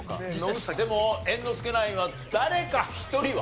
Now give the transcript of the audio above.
でも猿之助ナインは誰か一人は。